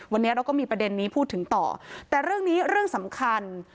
วันนี้เราก็มีประเด็นนี้พูดถึงต่อแต่เรื่องนี้เรื่องสำคัญ